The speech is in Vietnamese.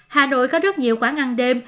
hà nội có rất nhiều quán ăn đêm